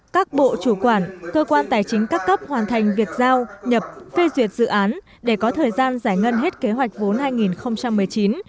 các bộ chủ quản cơ quan tài chính các cấp hoàn thành việc giao nhập phê duyệt dự án để có thời gian giải ngân hết kế hoạch vốn hai nghìn một mươi chín